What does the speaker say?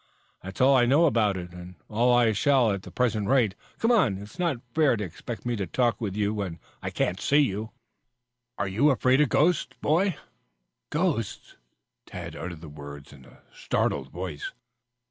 "That's all I know about it, and all I shall at the present rate. Come on, it's not fair to expect me to talk with you when I can't see you " "Aren't you afraid of ghosts, boy " "Ghosts!" Tad uttered the word in a startled voice.